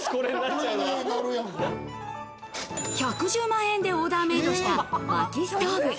１１０万円でオーダーメイドした薪ストーブ。